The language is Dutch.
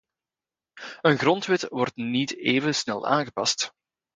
Een grondwet wordt niet even snel aangepast.